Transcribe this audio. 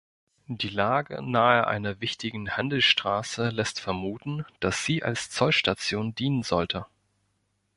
Die Lage nahe einer wichtigen Handelsstraße lässt vermuten, dass sie als Zollstation dienen sollte.